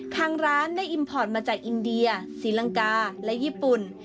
ทางร้านได้อิมพอร์ตมาจากอินเดียศรีลังกาและญี่ปุ่น